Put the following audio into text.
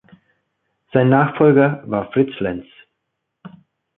Sein Nachfolger war Fritz Lenz.